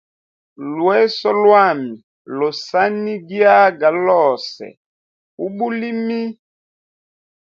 Lweso lwami losanigiaga lose ubulimi.